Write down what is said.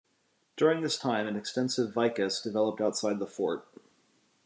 During this time, an extensive vicus developed outside the fort.